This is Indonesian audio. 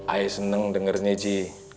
ayo seneng dengernya ji